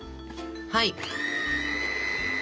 はい。